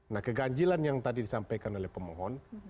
nah keganjilan yang tadi disampaikan oleh pemohon